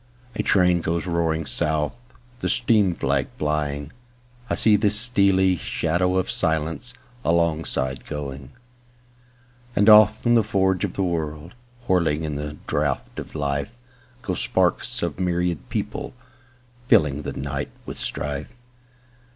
A train goes roaring south, The steam flag flying;I see the stealthy shadow of silenceAlongside going. And off the forge of the world, Whirling in the draught of life, Go sparks of myriad people, fillingThe night with strife.